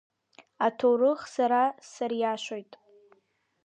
Аҭоурых сара сариашоит!